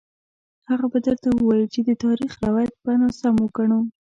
هغه به درته ووايي چې د تاریخ روایت به ناسم وګڼو.